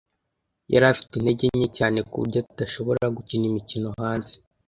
Yari afite intege nke cyane kuburyo adashobora gukina imikino hanze.